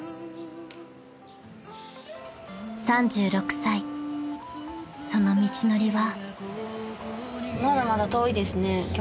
［３６歳その道のりは］